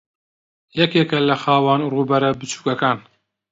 یەکێکە لە خاوەن ڕووبەرە بچووکەکان